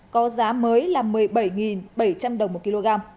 có giá mới là một mươi bảy bảy trăm linh đồng một kg